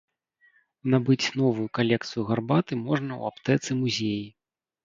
Набыць новую калекцыю гарбаты можна ў аптэцы-музеі.